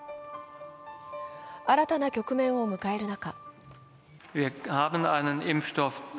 新たな局面を迎える中